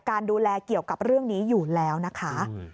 การดูแลเกี่ยวกับเรื่องนี้อยู่แล้วนะคะ